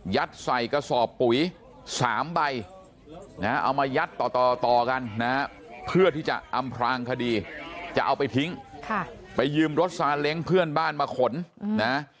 ใส่กระสอบปุ๋ย๓ใบนะเอามายัดต่อต่อกันนะเพื่อที่จะอำพลางคดีจะเอาไปทิ้งไปยืมรถซาเล้งเพื่อนบ้านมาขนนะ